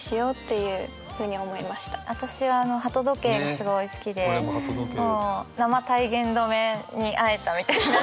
私は「鳩時計」がすごい好きでもう生体言止めに会えたみたいな。